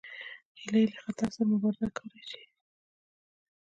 هیلۍ له خطر سره مبارزه کولی شي